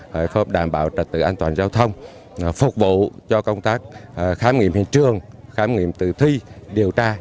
hợp đảm bảo trật tự an toàn giao thông phục vụ cho công tác khám nghiệm hiện trường khám nghiệm tử thi điều tra